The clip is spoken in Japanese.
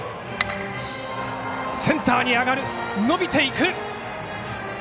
センターに上がる伸びていく。